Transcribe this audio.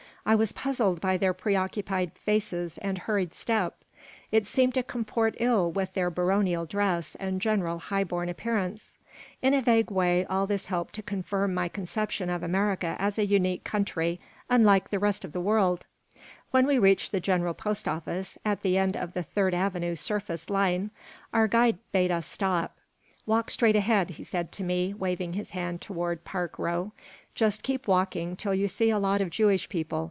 I was puzzled by their preoccupied faces and hurried step. It seemed to comport ill with their baronial dress and general high born appearance In a vague way all this helped to confirm my conception of America as a unique country, unlike the rest of the world When we reached the General Post Office, at the end of the Third Avenue surface line, our guide bade us stop "Walk straight ahead," he said to me, waving his hand toward Park Row. "Just keep walking until you see a lot of Jewish people.